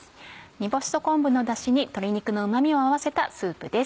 煮干しと昆布のダシに鶏肉のうま味を合わせたスープです。